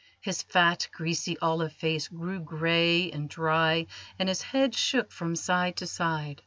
His fat, greasy, olive face grew grey and dry, and his head shook from side to side.